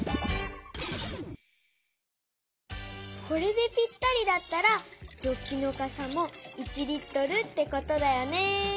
これでぴったりだったらジョッキのかさも１Ｌってことだよね。